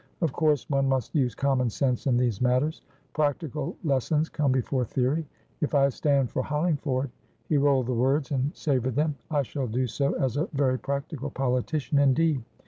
Of course one must use common sense in these matters. Practical lessons come before theory. If I stand for Hollingford" he rolled the words, and savoured them"I shall do so as a very practical politician indeed.